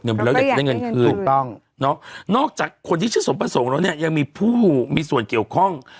เราอยากได้เงินคืนนอกจากคนที่ชื่อสมประสงค์แล้วเนี่ยยังมีผู้มีส่วนเกี่ยวข้อง